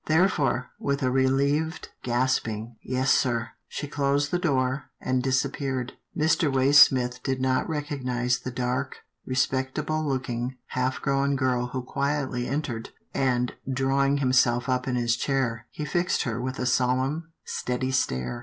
Therefore, with a reheved, gasping, " Yes, sir," she closed the door, and disappeared. Mr. Waysmith did not recognize the dark, re spectable looking, half grown girl who quietly en tered, and, drawing himself up in his chair, he fixed her with a solemn, steady stare.